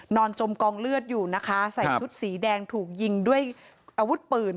จมกองเลือดอยู่นะคะใส่ชุดสีแดงถูกยิงด้วยอาวุธปืน